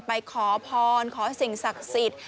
ขอพรขอสิ่งศักดิ์สิทธิ์